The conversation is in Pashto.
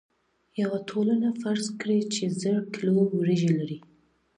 یوه ټولنه فرض کړئ چې زر کیلو وریجې لري.